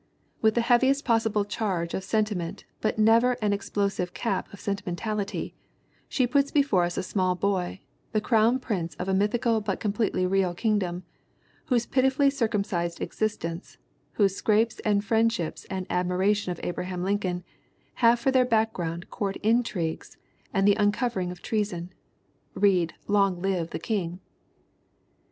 With the heaviest possible charge of sentiment but never an explosive cap of senti mentality, she puts before us a small boy, the crown prince of a mythical but completely real kingdom, whose pitifully circumscribed existence, whose scrapes and friendships and admiration of Abraham Lincoln, have for their background court intrigues and the un covering of treason; read Long Live the King!